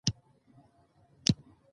د وطن مینه د هر چا په زړه کې ژورې ریښې لري.